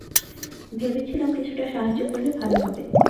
ভেবেছিলাম কিছুটা সাহায্য করলে ভালো হবে।